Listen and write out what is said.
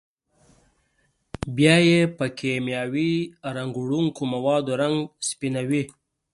بیا یې په کېمیاوي رنګ وړونکو موادو رنګ سپینوي.